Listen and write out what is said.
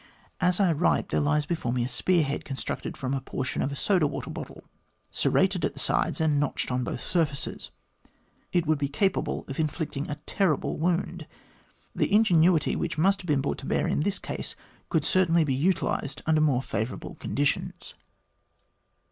As I write, there lies before me a spear head constructed from a portion of a soda water bottle, serrated at the sides, and notched on both surfaces. It would be capable of inflicting a terrible wound. The ingenuity which must have iDeen brought to bear in this case could certainly be utilised under more favourable conditions.